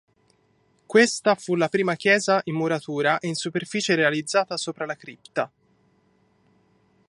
Questa fu la prima chiesa in muratura e in superficie realizzata sopra la cripta.